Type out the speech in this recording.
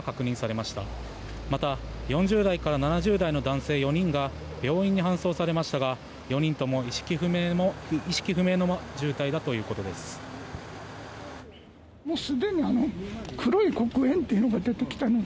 また、４０代から７０代の男性４人が病院に搬送されましたが４人とも意識不明の重体だということです。